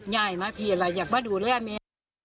ย่ายมากพี่อะไรอยากมาดูเรื่องนี้